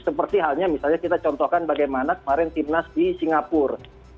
seperti halnya misalnya kita contohkan bagaimana kemarin timnas di singapura